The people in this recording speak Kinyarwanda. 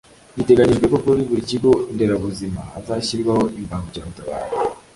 biteganyijwe ko kuri buri kigo nderabuzima hazashyirwaho imbangukiragutabara